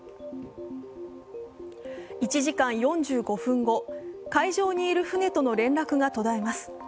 １時間４５分後、海上にいる船との連絡が途絶えます。